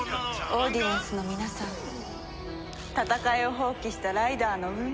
オーディエンスの皆さん戦いを放棄したライダーの運命は？